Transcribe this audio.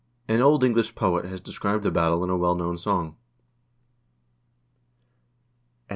An old English poet has described the battle in a well known old song.